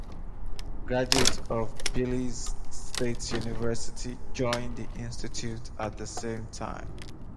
Graduates of Tbilisi State University joined the institute at the same time.